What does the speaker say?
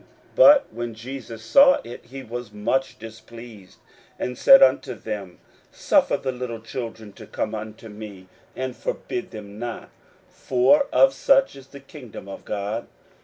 41:010:014 But when Jesus saw it, he was much displeased, and said unto them, Suffer the little children to come unto me, and forbid them not: for of such is the kingdom of God.